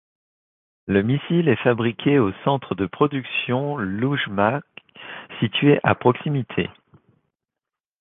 Le missile est fabriqué au centre de production Ioujmach situé à proximité.